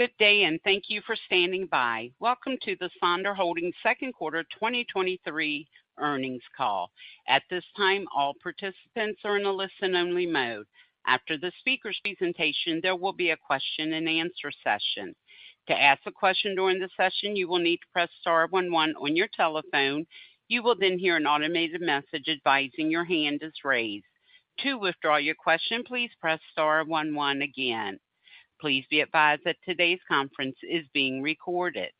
Good day, and thank you for standing by. Welcome to the Sonder Holdings Q2 2023 Earnings Call. At this time, all participants are in a listen-only mode. After the speaker's presentation, there will be a question-and-answer session. To ask a question during the session, you will need to press star one one on your telephone. You will then hear an automated message advising your hand is raised. To withdraw your question, please press star one one again. Please be advised that today's conference is being recorded.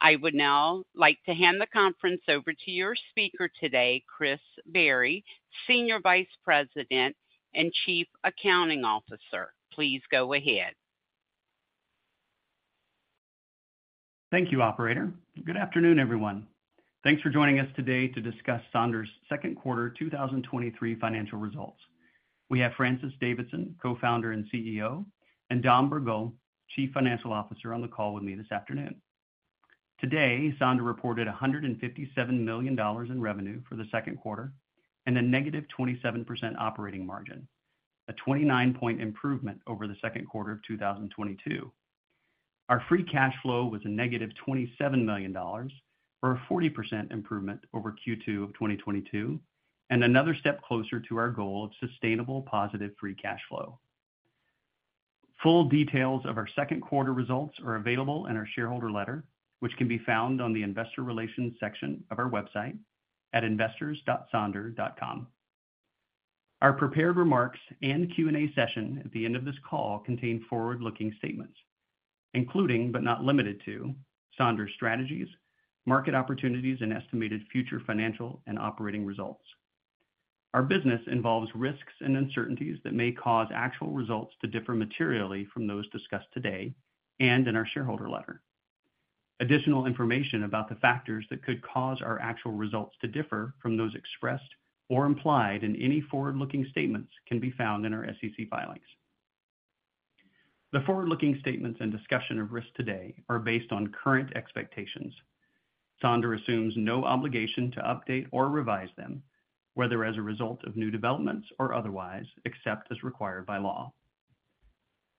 I would now like to hand the conference over to your speaker today, Chris Berry, Senior Vice President and Chief Accounting Officer. Please go ahead. Thank you, operator. Good afternoon, everyone. Thanks for joining us today to discuss Sonder's Q2 2023 financial results. We have Francis Davidson, Co-founder and CEO, and Dominique Bourgault, Chief Financial Officer, on the call with me this afternoon. Today, Sonder reported $157 million in revenue for the Q2 and a -27% operating margin, a 29 point improvement over the Q2 of 2022. Our free cash flow was -$27 million, or a 40% improvement over Q2 of 2022, and another step closer to our goal of sustainable, positive free cash flow. Full details of our Q2 results are available in our shareholder letter, which can be found on the investor relations section of our website at investors.sonder.com. Our prepared remarks and Q&A session at the end of this call contain forward-looking statements, including, but not limited to, Sonder strategies, market opportunities, and estimated future financial and operating results. Our business involves risks and uncertainties that may cause actual results to differ materially from those discussed today and in our shareholder letter. Additional information about the factors that could cause our actual results to differ from those expressed or implied in any forward-looking statements can be found in our SEC filings. The forward-looking statements and discussion of risks today are based on current expectations. Sonder assumes no obligation to update or revise them, whether as a result of new developments or otherwise, except as required by law.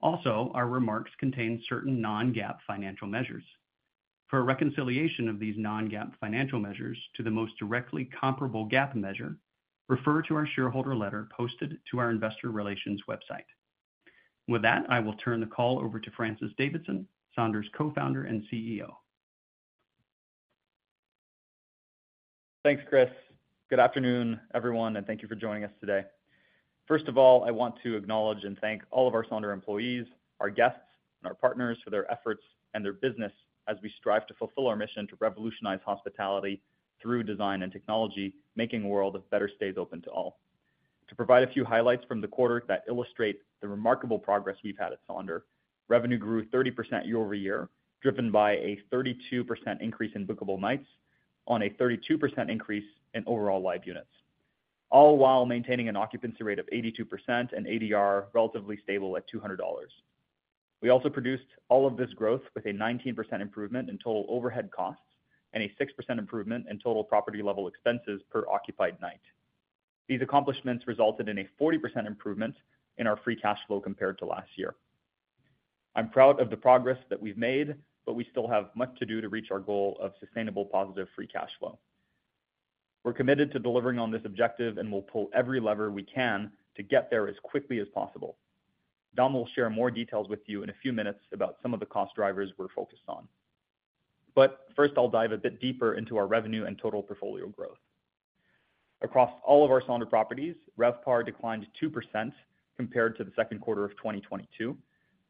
Our remarks contain certain non-GAAP financial measures. For a reconciliation of these non-GAAP financial measures to the most directly comparable GAAP measure, refer to our shareholder letter posted to our investor relations website. With that, I will turn the call over to Francis Davidson, Sonder's Co-founder and CEO. Thanks, Chris. Good afternoon, everyone, thank you for joining us today. First of all, I want to acknowledge and thank all of our Sonder employees, our guests, and our partners for their efforts and their business as we strive to fulfill our mission to revolutionize hospitality through design and technology, making a world of better stays open to all. To provide a few highlights from the quarter that illustrate the remarkable progress we've had at Sonder, revenue grew 30% year-over-year, driven by a 32% increase in bookable nights on a 32% increase in overall live units, all while maintaining an occupancy rate of 82% and ADR relatively stable at $200. We also produced all of this growth with a 19% improvement in total overhead costs and a 6% improvement in total property-level expenses per occupied night. These accomplishments resulted in a 40% improvement in our free cash flow compared to last year. I'm proud of the progress that we've made, but we still have much to do to reach our goal of sustainable, positive free cash flow. We're committed to delivering on this objective, and we'll pull every lever we can to get there as quickly as possible. Dom will share more details with you in a few minutes about some of the cost drivers we're focused on. First, I'll dive a bit deeper into our revenue and total portfolio growth. Across all of our Sonder properties, RevPAR declined 2% compared to the Q2 of 2022.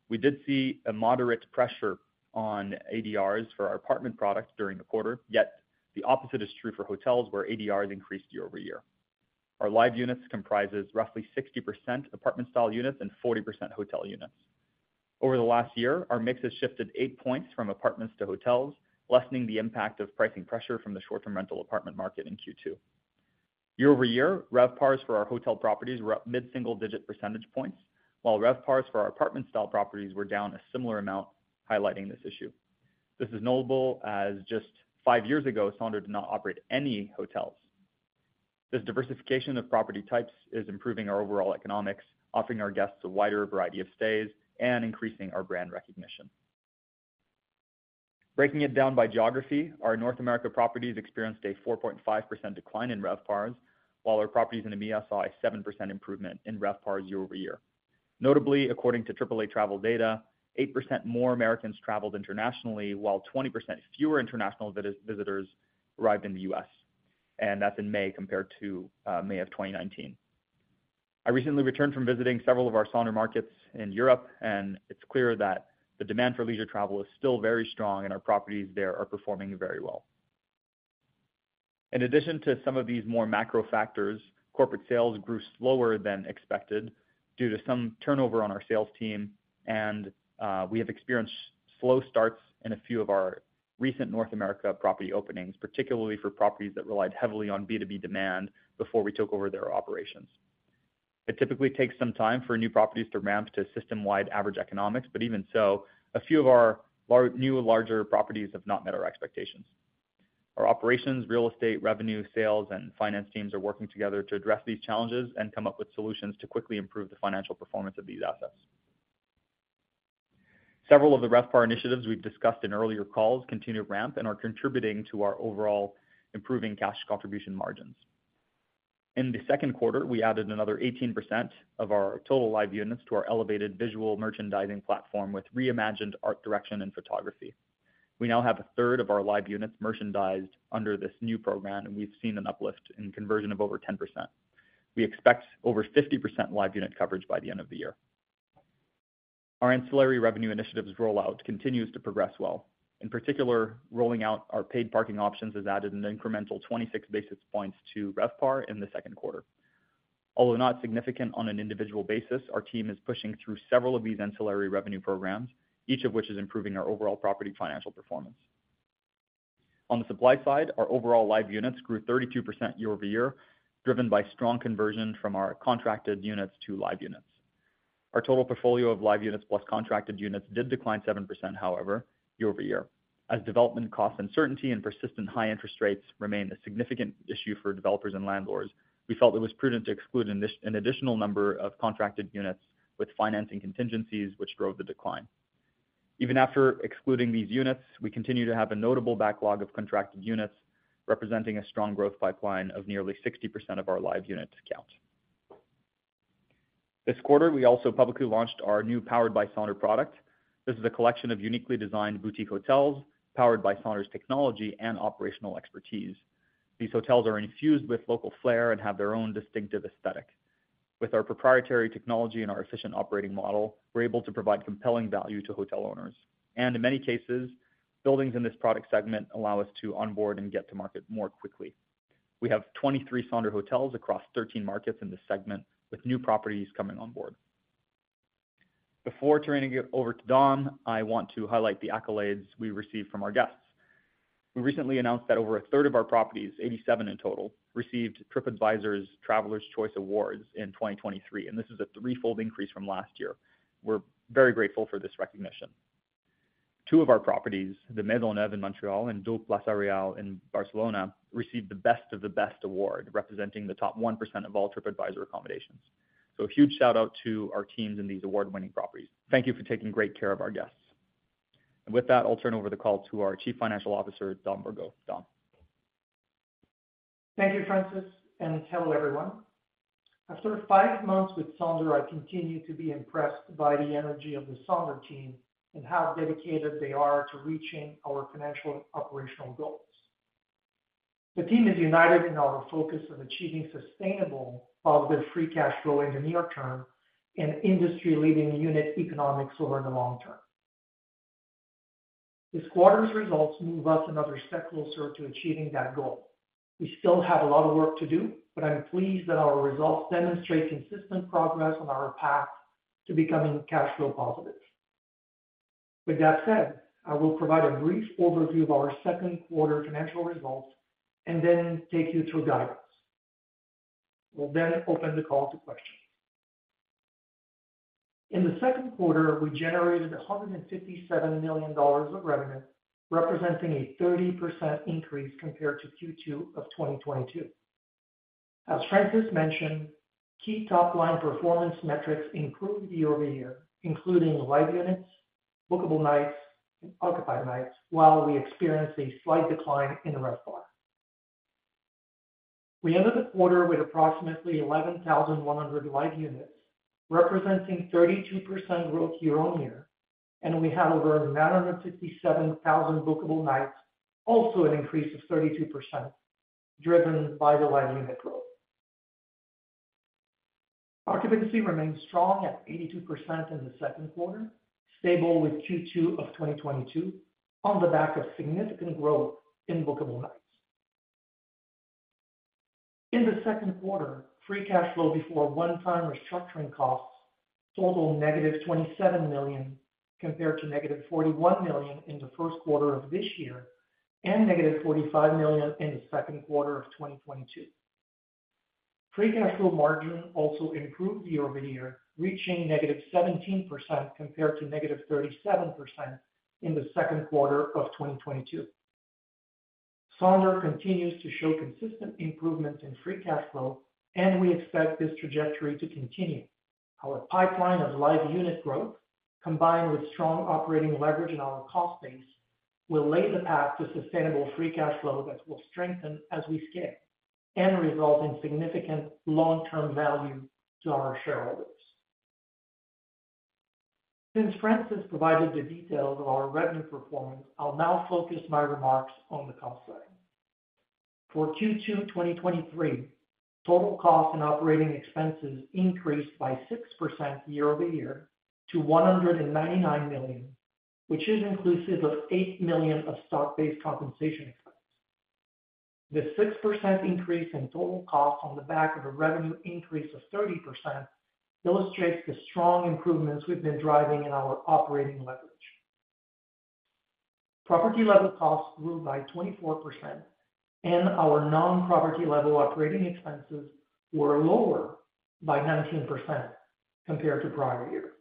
We did see a moderate pressure on ADRs for our apartment product during the quarter, yet the opposite is true for hotels, where ADRs increased year-over-year. Our live units comprises roughly 60% apartment-style units and 40% hotel units. Over the last year, our mix has shifted 8 points from apartments to hotels, lessening the impact of pricing pressure from the short-term rental apartment market in Q2. Year-over-year, RevPARs for our hotel properties were up mid-single digit percentage points, while RevPARs for our apartment-style properties were down a similar amount, highlighting this issue. This is notable as just 5 years ago, Sonder did not operate any hotels. This diversification of property types is improving our overall economics, offering our guests a wider variety of stays and increasing our brand recognition. Breaking it down by geography, our North America properties experienced a 4.5% decline in RevPARs, while our properties in the EMEA saw a 7% improvement in RevPARs year-over-year. Notably, according to AAA travel data, 8% more Americans traveled internationally, while 20% fewer international visitors arrived in the U.S. That's in May compared to May of 2019. I recently returned from visiting several of our Sonder markets in Europe. It's clear that the demand for leisure travel is still very strong. Our properties there are performing very well. In addition to some of these more macro factors, corporate sales grew slower than expected due to some turnover on our sales team. We have experienced slow starts in a few of our recent North America property openings, particularly for properties that relied heavily on B2B demand before we took over their operations. It typically takes some time for new properties to ramp to system-wide average economics. Even so, a few of our. new larger properties have not met our expectations. Our operations, real estate, revenue, sales, and finance teams are working together to address these challenges and come up with solutions to quickly improve the financial performance of these assets. Several of the RevPAR initiatives we've discussed in earlier calls continue to ramp and are contributing to our overall improving cash contribution margins. In the Q2, we added another 18% of our total live units to our elevated visual merchandising platform, with reimagined art direction and photography. We now have a third of our live units merchandised under this new program, and we've seen an uplift in conversion of over 10%. We expect over 50% live unit coverage by the end of the year. Our ancillary revenue initiatives rollout continues to progress well. In particular, rolling out our paid parking options has added an incremental 26 basis points to RevPAR in the Q2. Although not significant on an individual basis, our team is pushing through several of these ancillary revenue programs, each of which is improving our overall property financial performance. On the supply side, our overall live units grew 32% year-over-year, driven by strong conversion from our contracted units to live units. Our total portfolio of live units plus contracted units did decline 7%, however, year-over-year. As development cost uncertainty and persistent high interest rates remain a significant issue for developers and landlords, we felt it was prudent to exclude an additional number of contracted units with financing contingencies, which drove the decline. Even after excluding these units, we continue to have a notable backlog of contracted units, representing a strong growth pipeline of nearly 60% of our live units count. This quarter, we also publicly launched our new Powered by Sonder product. This is a collection of uniquely designed boutique hotels, Powered by Sonder's technology and operational expertise. These hotels are infused with local flair and have their own distinctive aesthetic. With our proprietary technology and our efficient operating model, we're able to provide compelling value to hotel owners. In many cases, buildings in this product segment allow us to onboard and get to market more quickly. We have 23 Sonder hotels across 13 markets in this segment, with new properties coming on board. Before turning it over to Dom, I want to highlight the accolades we received from our guests. We recently announced that over a third of our properties, 87 in total, received Tripadvisor's Travelers' Choice Awards in 2023, and this is a threefold increase from last year. We're very grateful for this recognition. Two of our properties, the Maisonneuve in Montreal and DO Plaça Reial in Barcelona, received the Best of the Best Award, representing the top 1% of all Tripadvisor accommodations. A huge shout out to our teams in these award-winning properties. Thank you for taking great care of our guests. With that, I'll turn over the call to our Chief Financial Officer, Dom Bourgault. Dom? Thank you, Francis, and hello, everyone. After five months with Sonder, I continue to be impressed by the energy of the Sonder team and how dedicated they are to reaching our financial and operational goals. The team is united in our focus of achieving sustainable positive free cash flow in the near term and industry-leading unit economics over the long term. This quarter's results move us another step closer to achieving that goal. We still have a lot of work to do, I'm pleased that our results demonstrate consistent progress on our path to becoming cash flow positive. That said, I will provide a brief overview of our Q2 financial results and then take you through guidance. We'll open the call to questions. In the Q2, we generated $157 million of revenue, representing a 30% increase compared to Q2 of 2022. As Francis mentioned, key top-line performance metrics improved year-over-year, including live units, bookable nights, and occupied nights, while we experienced a slight decline in the RevPAR. We ended the quarter with approximately 11,100 live units, representing 32% growth year-over-year, and we had over 957,000 bookable nights, also an increase of 32%, driven by the live unit growth. Occupancy remained strong at 82% in the Q2, stable with Q2 of 2022 on the back of significant growth in bookable nights. In the Q2, free cash flow before one-time restructuring costs total negative $27 million, compared to negative $41 million in the Q1 of this year and negative $45 million in the Q2 of 2022. Free cash flow margin also improved year-over-year, reaching negative 17%, compared to negative 37% in the Q2 of 2022. Sonder continues to show consistent improvements in free cash flow, and we expect this trajectory to continue. Our pipeline of live unit growth, combined with strong operating leverage in our cost base, will lay the path to sustainable free cash flow that will strengthen as we scale and result in significant long-term value to our shareholders. Since Francis provided the details of our revenue performance, I'll now focus my remarks on the cost side. For Q2 2023, total costs and operating expenses increased by 6% year-over-year to $199 million, which is inclusive of $8 million of stock-based compensation expenses. The 6% increase in total costs on the back of a revenue increase of 30% illustrates the strong improvements we've been driving in our operating leverage. Property-level costs grew by 24%, and our non-property-level operating expenses were lower by 19% compared to prior year.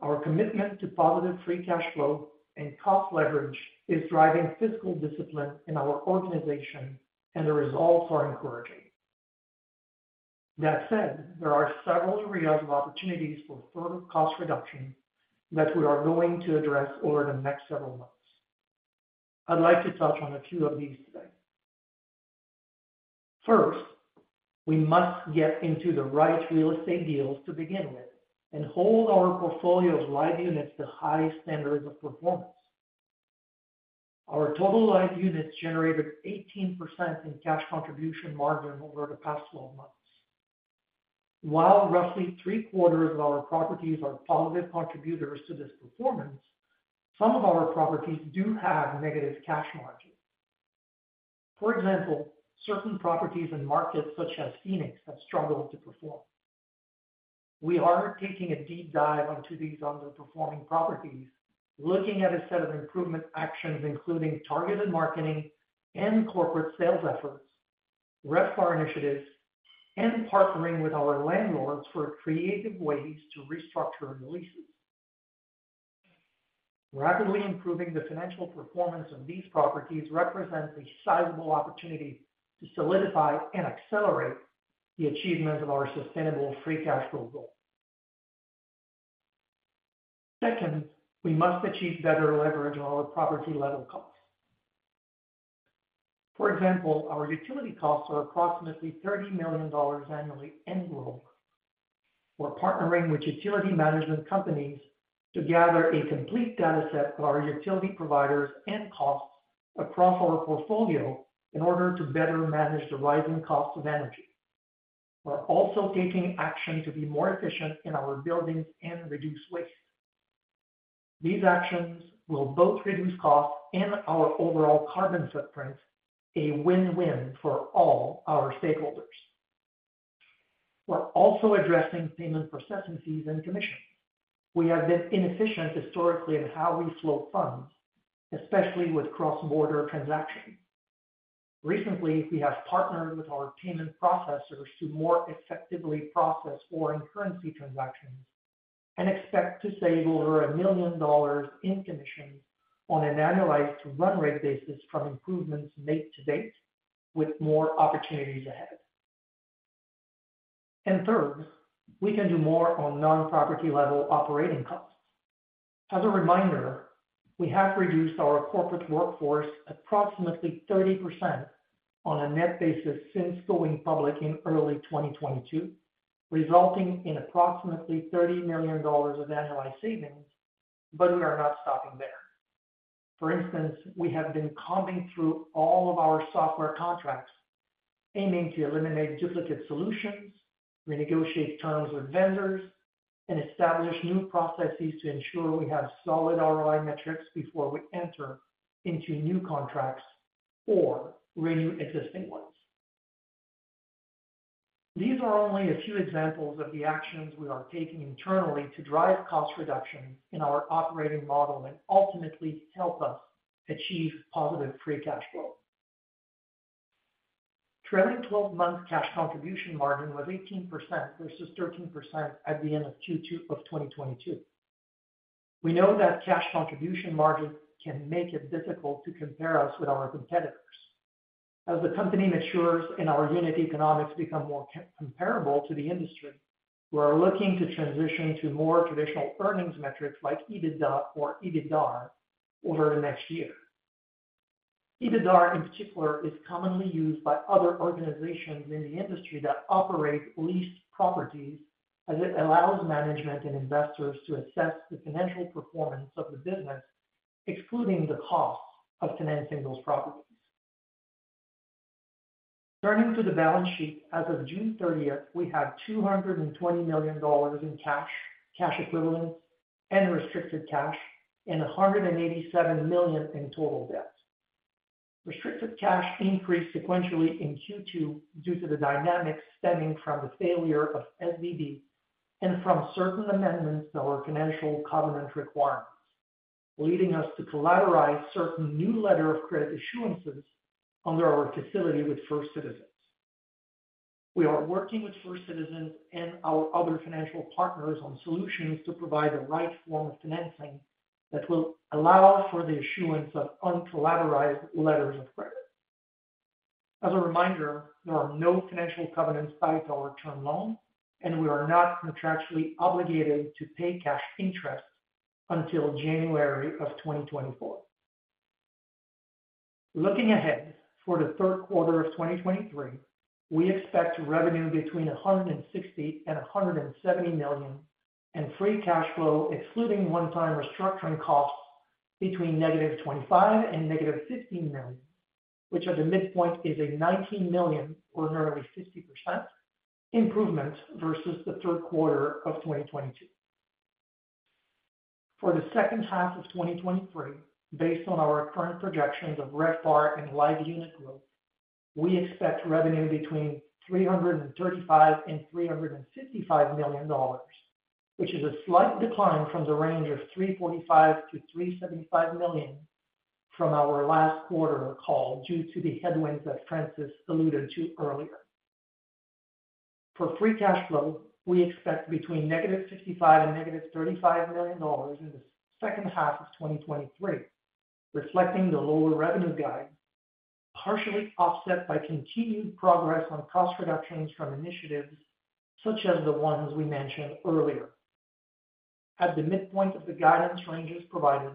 Our commitment to positive free cash flow and cost leverage is driving fiscal discipline in our organization, and the results are encouraging. That said, there are several areas of opportunities for further cost reduction that we are going to address over the next several months. I'd like to touch on a few of these today. First, we must get into the right real estate deals to begin with and hold our portfolio of live units to high standards of performance. Our total live units generated 18% in cash contribution margin over the past 12 months. While roughly three-quarters of our properties are positive contributors to this performance, some of our properties do have negative cash margins. For example, certain properties and markets such as Phoenix have struggled to perform. We are taking a deep dive onto these underperforming properties, looking at a set of improvement actions, including targeted marketing and corporate sales efforts, RevPAR initiatives, and partnering with our landlords for creative ways to restructure leases. Rapidly improving the financial performance of these properties represents a sizable opportunity to solidify and accelerate the achievement of our sustainable free cash flow goal. Second, we must achieve better leverage on our property level costs. For example, our utility costs are approximately $30 million annually and growing. We're partnering with utility management companies to gather a complete data set of our utility providers and costs across our portfolio in order to better manage the rising cost of energy. We're also taking action to be more efficient in our buildings and reduce waste. These actions will both reduce costs and our overall carbon footprint, a win-win for all our stakeholders. We're also addressing payment processing fees and commissions. We have been inefficient historically in how we flow funds, especially with cross-border transactions. Recently, we have partnered with our payment processors to more effectively process foreign currency transactions and expect to save over $1 million in commissions on an annualized run rate basis from improvements made to date, with more opportunities ahead. Third, we can do more on non-property level operating costs. As a reminder, we have reduced our corporate workforce approximately 30% on a net basis since going public in early 2022, resulting in approximately $30 million of annualized savings. We are not stopping there. For instance, we have been combing through all of our software contracts, aiming to eliminate duplicate solutions, renegotiate terms with vendors, and establish new processes to ensure we have solid ROI metrics before we enter into new contracts or renew existing ones. These are only a few examples of the actions we are taking internally to drive cost reductions in our operating model and ultimately help us achieve positive free cash flow. Trailing twelve-month cash contribution margin was 18%, versus 13% at the end of Q2 of 2022. We know that cash contribution margin can make it difficult to compare us with our competitors. As the company matures and our unit economics become more comparable to the industry, we are looking to transition to more traditional earnings metrics like EBITDA or EBITDAR over the next year. EBITDAR, in particular, is commonly used by other organizations in the industry that operate leased properties, as it allows management and investors to assess the financial performance of the business, excluding the costs of financing those properties. Turning to the balance sheet, as of June 30th, we had $220 million in cash, cash equivalents, and restricted cash, and $187 million in total debt. Restricted cash increased sequentially in Q2 due to the dynamics stemming from the failure of SVB and from certain amendments to our financial covenant requirements, leading us to collateralize certain new letter of credit issuances under our facility with First Citizens. We are working with First Citizens and our other financial partners on solutions to provide the right form of financing that will allow for the issuance of uncollateralized letters of credit. As a reminder, there are no financial covenants by our term loan, and we are not contractually obligated to pay cash interest until January of 2024. Looking ahead, for the Q3 of 2023, we expect revenue between $160 million and $170 million, and free cash flow, excluding one-time restructuring costs, between -$25 million and -$15 million, which at the midpoint is a $19 million, or nearly 60% improvement versus the Q3 of 2022. For the H2 of 2023, based on our current projections of RevPAR and live unit growth, we expect revenue between $335 million and $355 million, which is a slight decline from the range of $345 million to $375 million from our last quarter call, due to the headwinds that Francis alluded to earlier. For free cash flow, we expect between -$55 million and -$35 million in the H2 of 2023, reflecting the lower revenue guide, partially offset by continued progress on cost reductions from initiatives such as the ones we mentioned earlier. At the midpoint of the guidance ranges provided,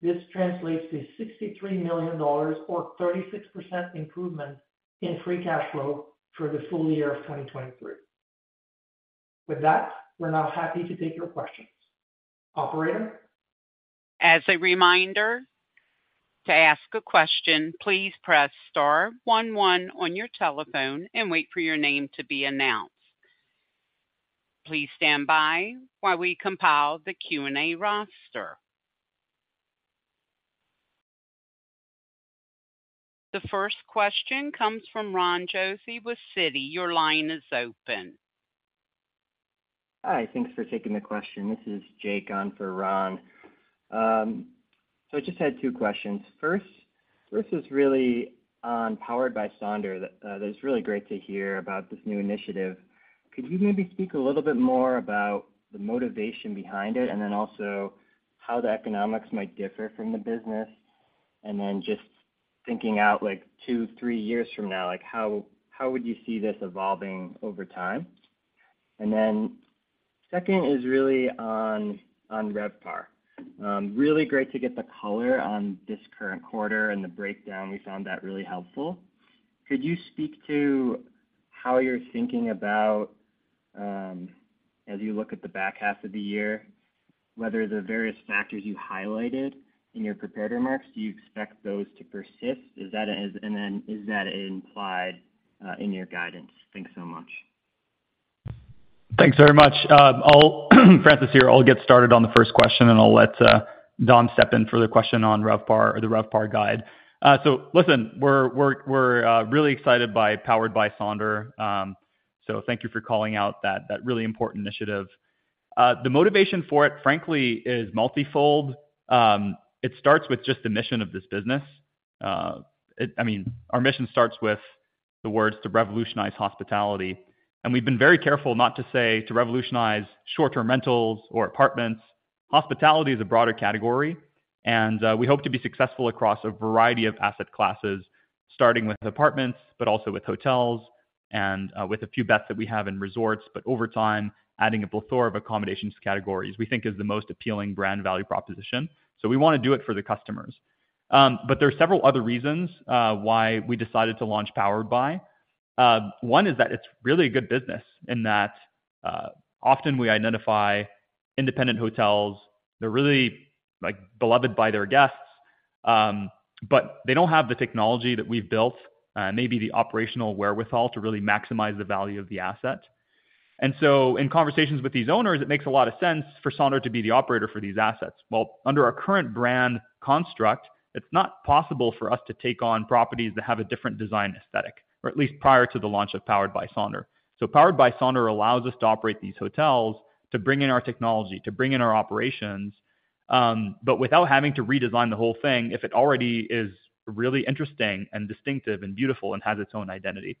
this translates to $63 million or 36% improvement in free cash flow for the full year of 2023. With that, we're now happy to take your questions. Operator? As a reminder, to ask a question, please press star one one on your telephone and wait for your name to be announced. Please stand by while we compile the Q&A roster. The first question comes from Ron Josey with Citi. Your line is open. Hi, thanks for taking the question. This is Jake on for Ron. I just had two questions. First, this is really on Powered by Sonder. That it's really great to hear about this new initiative. Could you maybe speak a little bit more about the motivation behind it, and then also how the economics might differ from the business? Just thinking out, like, two, three years from now, like, how, how would you see this evolving over time? Second is really on RevPAR. Really great to get the color on this current quarter and the breakdown. We found that really helpful. Could you speak to how you're thinking about, as you look at the back half of the year, whether the various factors you highlighted in your prepared remarks, do you expect those to persist? Is that implied in your guidance? Thanks so much. Thanks very much. Francis here. I'll get started on the first question, and I'll let Dom step in for the question on RevPAR or the RevPAR guide. Listen, we're, we're, we're really excited by Powered by Sonder. Thank you for calling out that, that really important initiative. The motivation for it, frankly, is multifold. It starts with just the mission of this business. It, I mean, our mission starts with the words, "To revolutionize hospitality." We've been very careful not to say to revolutionize short-term rentals or apartments. Hospitality is a broader category, and we hope to be successful across a variety of asset classes, starting with apartments, but also with hotels and with a few bets that we have in resorts. Over time, adding a plethora of accommodation categories, we think is the most appealing brand value proposition. We want to do it for the customers. There are several other reasons why we decided to launch powered by. One is that it's really a good business in that often we identify independent hotels. They're really, like, beloved by their guests, but they don't have the technology that we've built, maybe the operational wherewithal to really maximize the value of the asset. In conversations with these owners, it makes a lot of sense for Sonder to be the operator for these assets. Under our current brand construct, it's not possible for us to take on properties that have a different design aesthetic, or at least prior to the launch of Powered by Sonder. Powered by Sonder allows us to operate these hotels, to bring in our technology, to bring in our operations, but without having to redesign the whole thing, if it already is really interesting and distinctive and beautiful and has its own identity.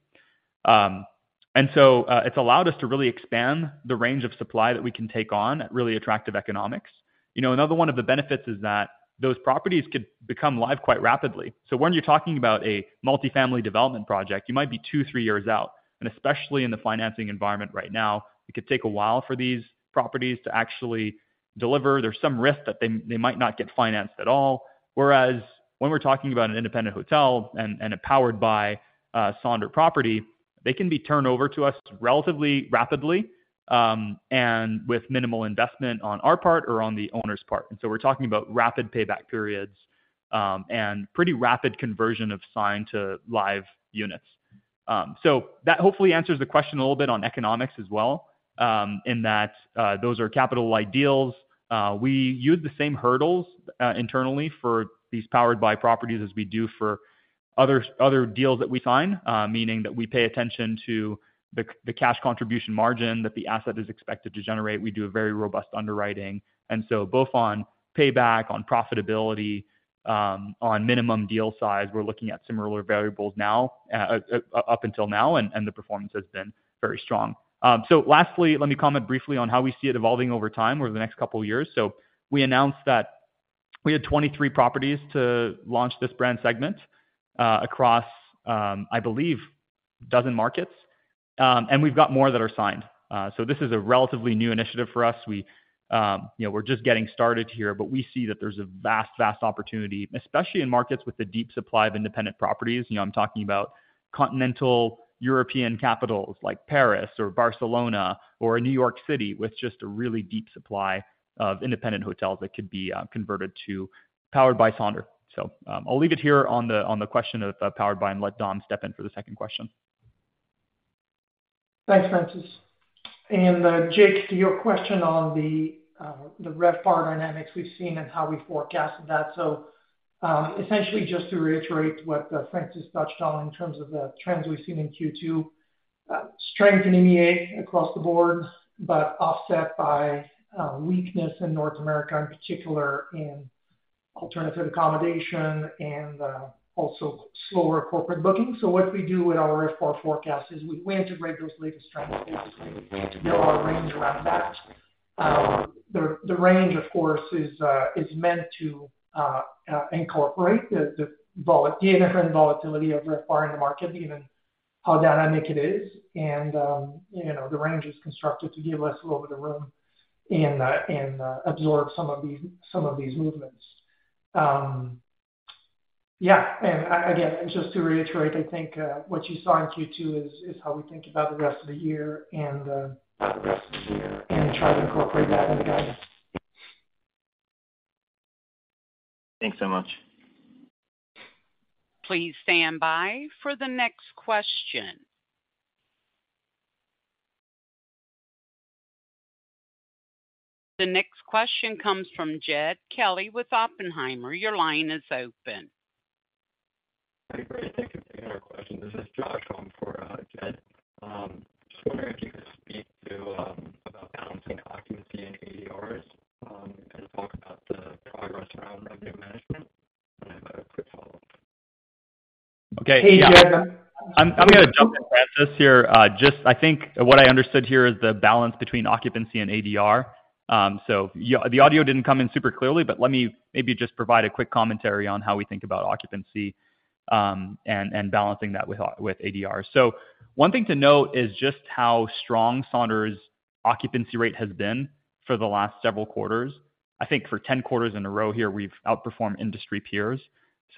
It's allowed us to really expand the range of supply that we can take on at really attractive economics. You know, another one of the benefits is that those properties could become live quite rapidly. When you're talking about a multifamily development project, you might be two, three years out, and especially in the financing environment right now, it could take a while for these properties to actually deliver. There's some risk that they, they might not get financed at all. Whereas when we're talking about an independent hotel and a Powered by Sonder property, they can be turned over to us relatively rapidly, and with minimal investment on our part or on the owner's part. We're talking about rapid payback periods, and pretty rapid conversion of signed to live units. That hopefully answers the question a little bit on economics as well, in that, those are capital-like deals. We use the same hurdles internally for these Powered by Sonder properties as we do for other, other deals that we sign. Meaning that we pay attention to the cash contribution margin that the asset is expected to generate. We do a very robust underwriting. So both on payback, on profitability, on minimum deal size, we're looking at similar variables now, up until now, and the performance has been very strong. Lastly, let me comment briefly on how we see it evolving over time over the next couple of years. We announced that we had 23 properties to launch this brand segment, across, I believe, 12 markets, and we've got more that are signed. This is a relatively new initiative for us. We, you know, we're just getting started here, but we see that there's a vast, vast opportunity, especially in markets with a deep supply of independent properties. You know, I'm talking about continental European capitals like Paris or Barcelona or New York City, with just a really deep supply of independent hotels that could be converted to Powered by Sonder. I'll leave it here on the, on the question of, powered by, and let Dom step in for the second question. Thanks, Francis. Jake, to your question on the RevPAR dynamics we've seen and how we forecasted that. Essentially, just to reiterate what Francis touched on in terms of the trends we've seen in Q2, strength in EMEA across the board, but offset by weakness in North America, in particular alternative accommodation and also slower corporate booking. What we do in our RevPAR forecast is we, we integrate those latest trends into our range around that. The, the range, of course, is meant to incorporate the different volatility of RevPAR in the market, even how dynamic it is. You know, the range is constructed to give us a little bit of room and absorb some of these, some of these movements. Again, just to reiterate, I think, what you saw in Q2 is, is how we think about the rest of the year and, the rest of the year, and try to incorporate that in the guidance. Thanks so much. Please stand by for the next question. The next question comes from Jed Kelly with Oppenheimer. Your line is open. Hi, great. Thank you for taking our question. This is Josh calling for, Jed. Just wondering if you could speak to about balancing occupancy and ADRs, and talk about the progress around revenue management. I have a quick follow-up. Okay, yeah. I'm gonna jump and address this here. Just I think what I understood here is the balance between occupancy and ADR. The audio didn't come in super clearly, but let me maybe just provide a quick commentary on how we think about occupancy, and balancing that with ADR. One thing to note is just how strong Sonder's occupancy rate has been for the last several quarters. I think for 10 quarters in a row here, we've outperformed industry peers.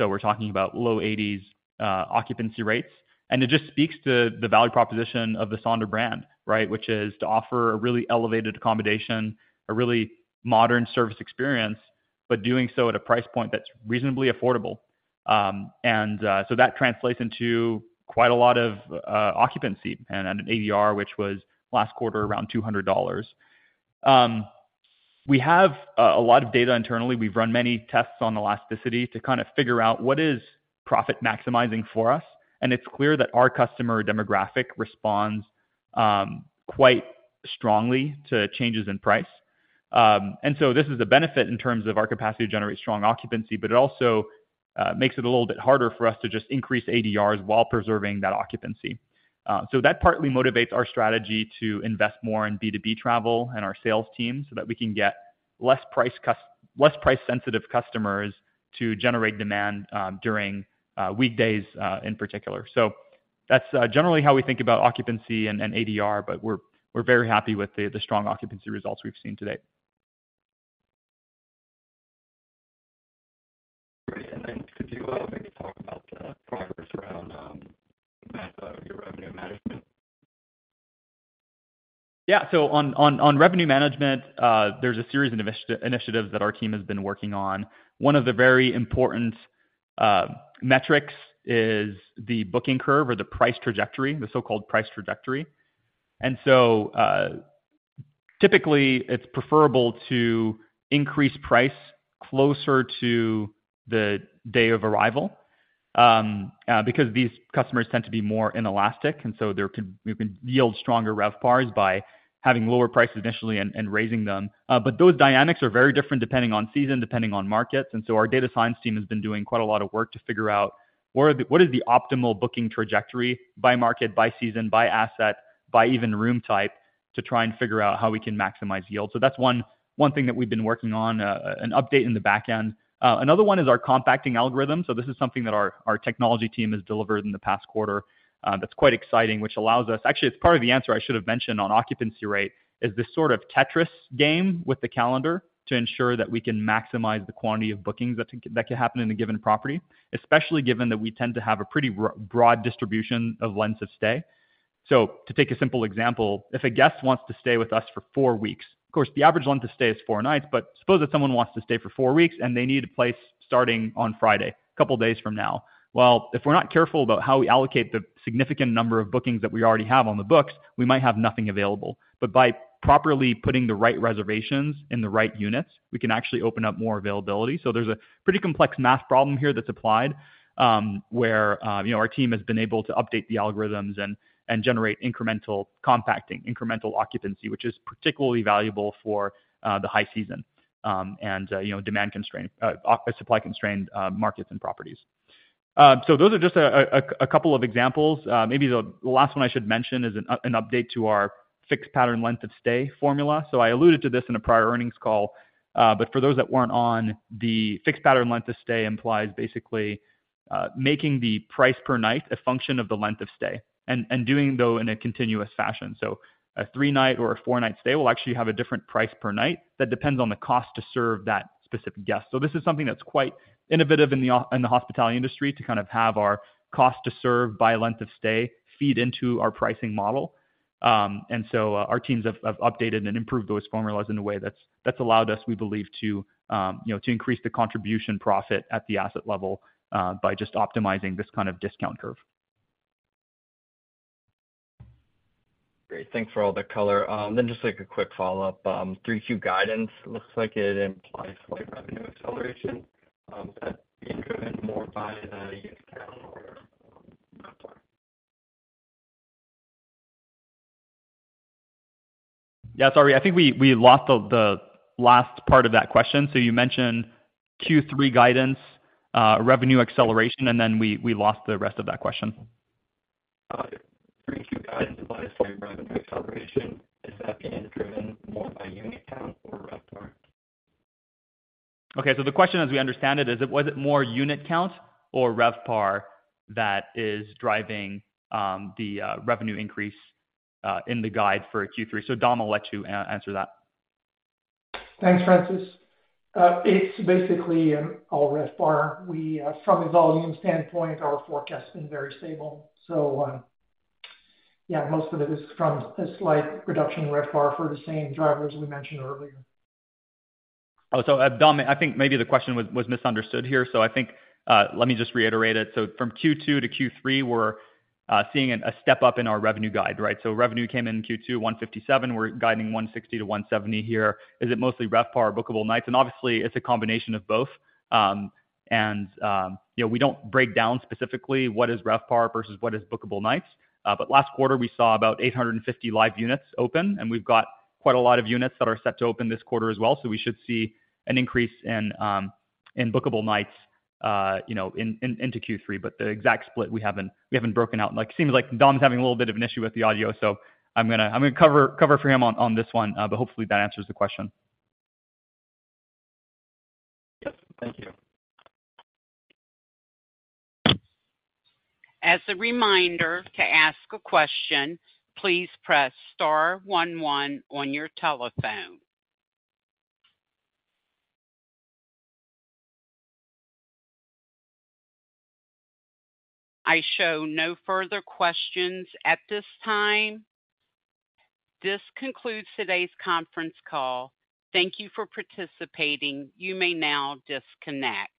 We're talking about low 80s occupancy rates. It just speaks to the value proposition of the Sonder brand, right? Which is to offer a really elevated accommodation, a really modern service experience, but doing so at a price point that's reasonably affordable. That translates into quite a lot of occupancy and an ADR, which was last quarter, around $200. We have a lot of data internally. We've run many tests on elasticity to kind of figure out what is profit-maximizing for us, and it's clear that our customer demographic responds quite strongly to changes in price. This is a benefit in terms of our capacity to generate strong occupancy, but it also makes it a little bit harder for us to just increase ADRs while preserving that occupancy. That partly motivates our strategy to invest more in B2B travel and our sales team, so that we can get less price-sensitive customers to generate demand during weekdays in particular. That's, generally how we think about occupancy and, and ADR, but we're, we're very happy with the, the strong occupancy results we've seen today. Great. Yeah. On, on, on revenue management, there's a series of initiatives that our team has been working on. One of the very important metrics is the booking curve, or the price trajectory, the so-called price trajectory. Typically, it's preferable to increase price closer to the day of arrival, because these customers tend to be more inelastic, and so we can yield stronger RevPARs by having lower prices initially and, and raising them. Those dynamics are very different depending on season, depending on markets. Our data science team has been doing quite a lot of work to figure out what is the optimal booking trajectory by market, by season, by asset, by even room type, to try and figure out how we can maximize yield. That's one, one thing that we've been working on, an update in the back end. Another one is our compacting algorithm. This is something that our, our technology team has delivered in the past quarter, that's quite exciting, which allows us. Actually, it's part of the answer I should have mentioned on occupancy rate, is this sort of Tetris game with the calendar to ensure that we can maximize the quantity of bookings that could happen in a given property, especially given that we tend to have a pretty broad distribution of lengths of stay. To take a simple example, if a guest wants to stay with us for four weeks, of course, the average length of stay is four nights, but suppose if someone wants to stay for four weeks, and they need a place starting on Friday, a couple days from now. Well, if we're not careful about how we allocate the significant number of bookings that we already have on the books, we might have nothing available. By properly putting the right reservations in the right units, we can actually open up more availability. There's a pretty complex math problem here that's applied, where, you know, our team has been able to update the algorithms and, and generate incremental compacting, incremental occupancy, which is particularly valuable for the high season, and, you know, demand-constrained, off the supply-constrained, markets and properties. Those are just a couple of examples. Maybe the last one I should mention is an update to our fixed pattern length of stay formula. I alluded to this in a prior earnings call, but for those that weren't on, the fixed pattern length of stay implies basically making the price per night a function of the length of stay, and doing so in a continuous fashion. A three-night or a four-night stay will actually have a different price per night that depends on the cost to serve that specific guest. This is something that's quite innovative in the hospitality industry, to kind of have our cost to serve by length of stay feed into our pricing model. Our teams have updated and improved those formulas in a way that's allowed us, we believe, to increase the contribution profit at the asset level, by just optimizing this kind of discount curve. Great. Thanks for all the color. Just like a quick follow-up. 3Q guidance looks like it implies slight revenue acceleration. Yeah, sorry, I think we lost the last part of that question. You mentioned Q3 guidance, revenue acceleration, and then we lost the rest of that question. The question as we understand it, is was it more unit count or RevPAR that is driving the revenue increase in the guide for Q3? Dom, I'll let you answer that. Thanks, Francis. It's basically, all RevPAR. We, from a volume standpoint, our forecast's been very stable. Yeah, most of it is from a slight reduction in RevPAR for the same drivers we mentioned earlier. Dom, I think maybe the question was misunderstood here. I think let me just reiterate it. From Q2 to Q3, we're seeing a step up in our revenue guide, right? Revenue came in Q2, $157. We're guiding $160 to $170 here. Is it mostly RevPAR or bookable nights? Obviously, it's a combination of both. You know, we don't break down specifically what is RevPAR versus what is bookable nights. Last quarter, we saw about 850 live units open, and we've got quite a lot of units that are set to open this quarter as well. We should see an increase in bookable nights, you know, into Q3. The exact split, we haven't broken out. Like, it seems like Dom's having a little bit of an issue with the audio, so I'm gonna cover, for him on this one, but hopefully that answers the question. Yes. Thank you. As a reminder, to ask a question, please press star one one on your telephone. I show no further questions at this time. This concludes today's conference call. Thank you for participating. You may now disconnect.